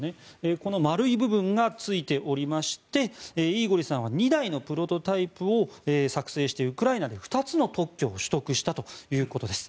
この丸い部分がついておりましてイーゴリさんは２台のプロトタイプを作成してウクライナで２つの特許を取得したということです。